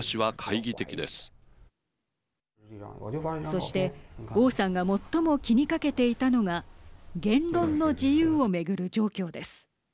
そして、王さんが最も気にかけていたのが言論の自由を巡る状況です。